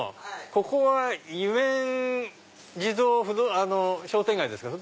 ここはユメン地蔵商店街ですか？